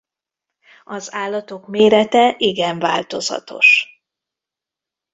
Az állatok mérete igen változatos.